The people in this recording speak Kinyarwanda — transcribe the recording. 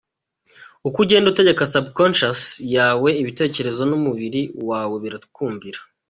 Uko ugenda utegeka subconscious yawe ibitekerezo n’umubiri wawe birakumvira.